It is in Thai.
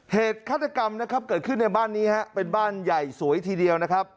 เหตุฆาตกรรมเกิดขึ้นในบ้านนี้เป็นบ้านใหญ่สวยทีเดียว